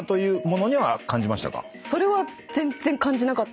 それは全然感じなかったですね。